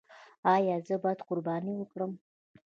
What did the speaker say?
ایا زه باید قرباني وکړم؟